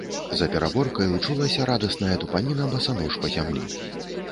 За пераборкаю чулася радасная тупаніна басанож па зямлі.